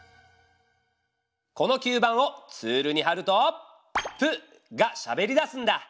この吸盤をツールにはると「プ」がしゃべりだすんだ。